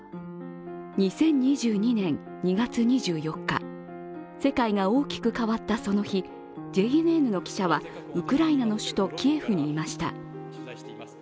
２０２２年２月２４日、世界が大きく変わったその日ＪＮＮの記者はウクライナの首都キエフにいました。